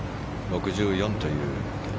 ６４という。